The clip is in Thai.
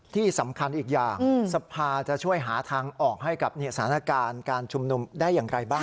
ที่สำคัญอีกอย่างสภาจะช่วยหาทางออกให้กับสถานการณ์การชุมนุมได้อย่างไรบ้าง